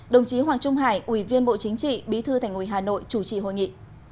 đồng chí hoàng trung hải ủy viên bộ chính trị bí thư thành ủy hà nội chủ trì hội nghị